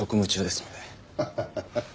ハハハハ。